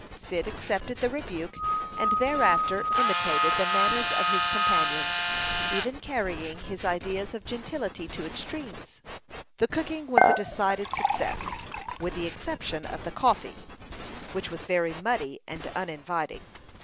Cyd accepted the rebuke, and thereafter imitated the manners of his companions, even carrying his ideas of gentility to extremes. The cooking was a decided success, with the exception of the coffee, which was very muddy and uninviting.